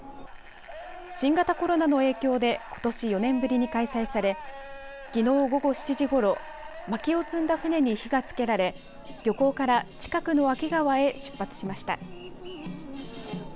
新型コロナの影響でことし４年ぶりに開催されきのう午後７時ごろまきを積んだ舟に火がつけられ漁港から近くの安岐川へ出発しました。